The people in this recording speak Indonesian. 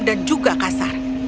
dan juga kasar